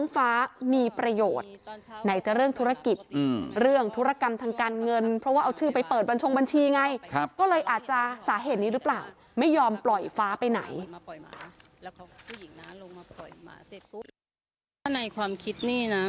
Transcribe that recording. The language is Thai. ก็เลยอาจจะสาเหตุนี้หรือเปล่าไม่ยอมปล่อยฟ้าไปไหน